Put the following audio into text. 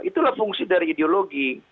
itulah fungsi dari ideologi